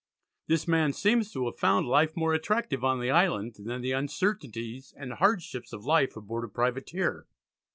This man seems to have found life more attractive on the island than the uncertainties and hardships of life aboard a privateer.